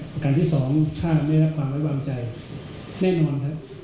ประการที่สองถ้าได้รับความไว้วางใจแน่นอนครับ